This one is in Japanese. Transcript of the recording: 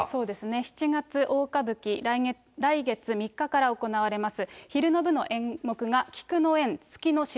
七月大歌舞伎、来月３日から行われます